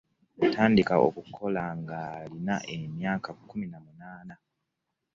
Yatandika okukola ngalina emyaka kumi namunana.